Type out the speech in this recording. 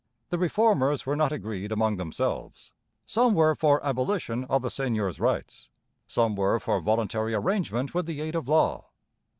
The Reformers were not agreed among themselves. Some were for abolition of the seigneurs' rights: some were for voluntary arrangement with the aid of law.